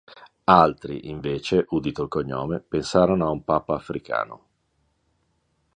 Altri, invece, udito il cognome, pensarono a un papa africano.